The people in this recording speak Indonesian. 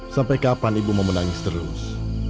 sampai kapan ibu mau menangis terus